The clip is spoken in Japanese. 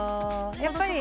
やっぱりね。